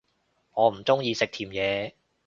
我唔鍾意食甜野